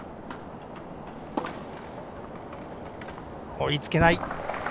追いつけない。